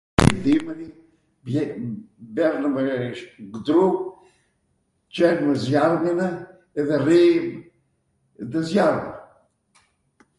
dimrin, mernwmw dru, Celmw zjarminw edhe rrijmw ndw zjarmw.